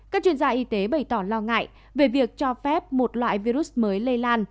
các chuyên gia y tế bày tỏ lo ngại về việc cho phép một loại virus mới lây lan